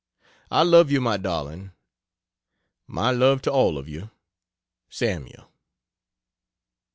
I love you my darling. My love to all of you. SAML.